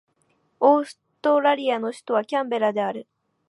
オーストラリアの首都はキャンベラである